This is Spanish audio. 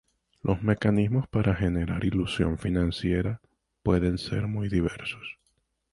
Los mecanismos para generar ilusión financiera pueden ser muy diversos.